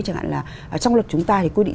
chẳng hạn là trong luật chúng ta thì quy định